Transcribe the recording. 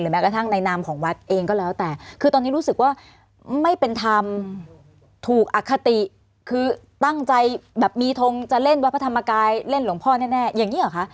แม้กระทั่งในนามของวัดเองก็แล้วแต่คือตอนนี้รู้สึกว่าไม่เป็นธรรมถูกอคติคือตั้งใจแบบมีทงจะเล่นวัดพระธรรมกายเล่นหลวงพ่อแน่อย่างนี้หรอคะ